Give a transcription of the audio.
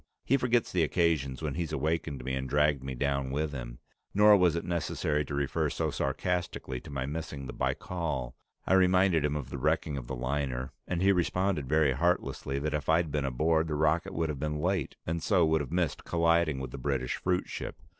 He forgets the occasions when he's awakened me and dragged me down with him. Nor was it necessary to refer so sarcastically to my missing the Baikal; I reminded him of the wrecking of the liner, and he responded very heartlessly that if I'd been aboard, the rocket would have been late, and so would have missed colliding with the British fruitship.